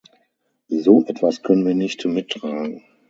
So etwas können wir nicht mittragen.